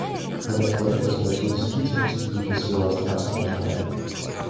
Этот поэт извратил действительность в духе своего страстного желания.